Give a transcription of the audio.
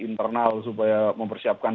internal supaya mempersiapkan